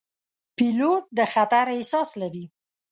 پیلوټ د خطر احساس لري.